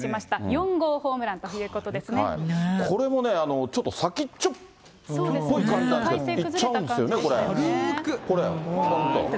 ４号ホームランというこれもね、ちょっと先っちょっぽい感じで、いっちゃうんですよね、これ。